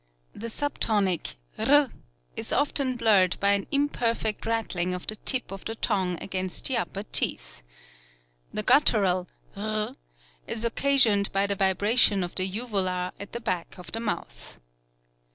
The sub tonic r is often blurred by an imperfect rattling of the tip of the tongue against the upper teeth. The gutteral r is occasioned by the vibration of the uvula at the back of the mouth.